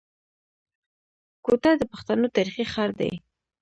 کوټه د پښتنو تاريخي ښار دی.